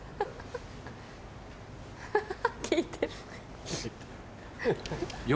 聞いてる。